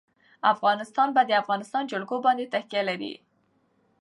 افغانستان په د افغانستان جلکو باندې تکیه لري.